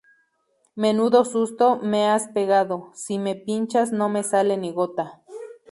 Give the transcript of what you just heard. Menudo susto me has pegado. Si me pinchas no me sale ni gota.